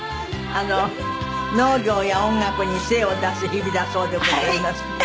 農業や音楽に精を出す日々だそうでございます。